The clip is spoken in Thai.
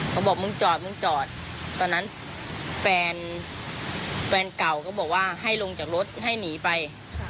เขาบอกมึงจอดมึงจอดตอนนั้นแฟนเก่าก็บอกว่าให้ลงจากรถให้หนีไป